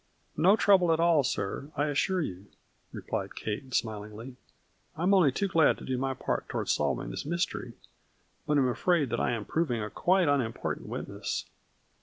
" No trouble at all, sir, I assure you," replied Kate, smilingly. " I am only too glad to do my part toward solving this mystery, but am afraid that I am proving a quite unimportant witness."